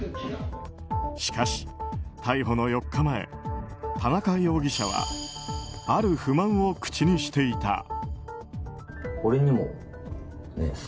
しかし、逮捕の４日前田中容疑者はある不満を口にしていた。